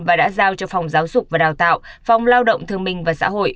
và đã giao cho phòng giáo dục và đào tạo phòng lao động thương minh và xã hội